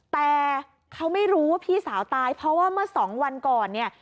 แต่เขาไม่รู้ว่าพี่สาวตายเพราะว่าเมื่อสองวันก่อนเนี่ย